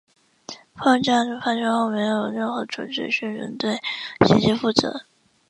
爆炸发生后没有任何组织宣称对袭击负责。